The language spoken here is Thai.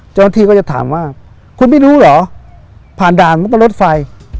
เจ้าหน้าที่ก็จะถามว่าคุณไม่รู้เหรอผ่านด่านมันก็ลดไฟ